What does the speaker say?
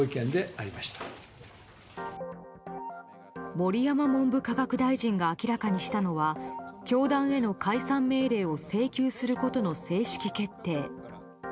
盛山文部科学大臣が明らかにしたのは教団への解散命令を請求することの正式決定。